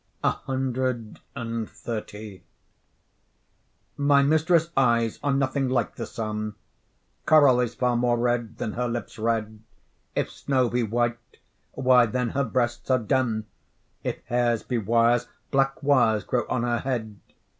CXXX My mistress' eyes are nothing like the sun; Coral is far more red, than her lips red: If snow be white, why then her breasts are dun; If hairs be wires, black wires grow on her head.